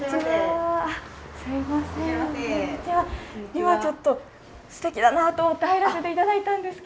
今ちょっとすてきだなと思って入らせて頂いたんですけど。